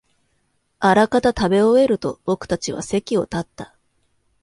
あらかた食べ終えると、僕たちは席を立った